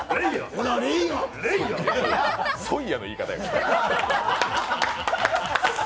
ソイヤの言い方やから。